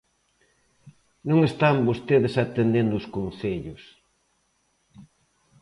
Non están vostedes atendendo os concellos.